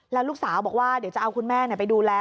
แล้วลูกสาวบอกว่าเดี๋ยวจะเอาคุณแม่ไปดูแล